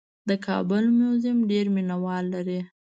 د کابل موزیم ډېر مینه وال لري.